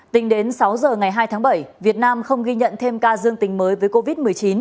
tính đến sáu giờ ngày hai tháng bảy việt nam không ghi nhận thêm ca dương tình mới với covid một mươi chín